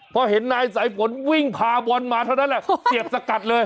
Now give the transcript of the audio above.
พอเห็นนายสายฝนวิ่งพาบอลมาเท่านั้นแหละเสียบสกัดเลย